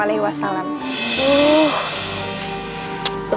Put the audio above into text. udah banyak banget lagi